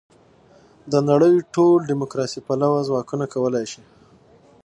د نړۍ ټول دیموکراسي پلوه ځواکونه کولای شي.